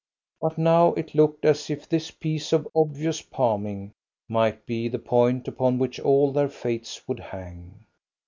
But now it looked as if this piece of obvious palming might be the point upon which all their fates would hang.